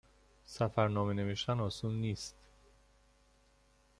سفرنامه نوشتن آسون نیست